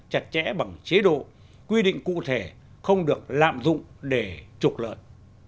chặt chẽ bằng chế độ quy định cụ thể không được lạm dụng để trục lợi